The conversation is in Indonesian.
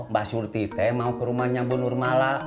mbak surtite mau ke rumahnya bu nurmala